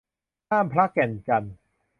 ห้ามพระแก่นจันทน์